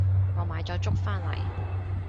我買咗粥返嚟